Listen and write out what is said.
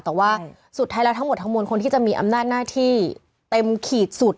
แต่ว่าสุดท้ายแล้วทั้งหมดทั้งมวลคนที่จะมีอำนาจหน้าที่เต็มขีดสุด